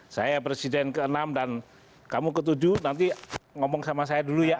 saya presiden ke enam dan kamu ke tujuh nanti ngomong sama saya dulu ya